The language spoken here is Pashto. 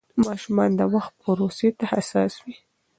ماشومان د وخت پروسې ته حساس وي.